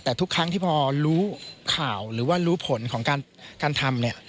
แต่ทุกครั้งที่พอรู้ข่าวหรือว่ารู้ผลของการทำเนี่ย